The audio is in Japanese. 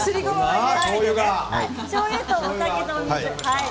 はい？